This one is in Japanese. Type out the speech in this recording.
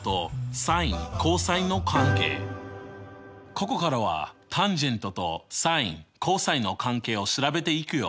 ここからはタンジェントとサイン・コサインの関係を調べていくよ。